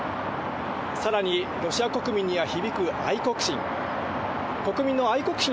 さらに、ロシア国民には響く愛国心。